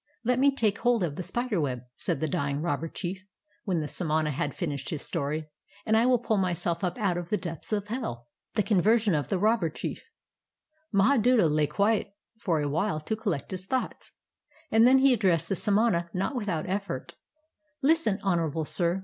"Let me take hold of the spider web," said the d}'ing robber chief, when the samana had finished his ston , "and I will pull myseh up out of the depths of hell." THE COX\'ERSION OF THE ROBBER CHIEF Mahaduta lay quiet for awhile to collect his thoughts, and then he addressed the samana not v> ithout effort :—'■ Listen, honorable sir.